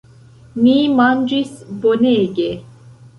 Ni manĝis bonege.